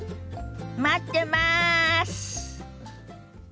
待ってます！